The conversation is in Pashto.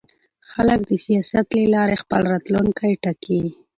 خلک د سیاست له لارې خپل راتلونکی ټاکي